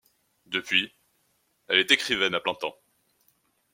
Depuis, elle est écrivaine à plein temps.